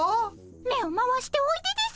目を回しておいでです。